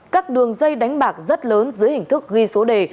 các đường dây đánh bạc rất lớn dưới hình thức ghi số đề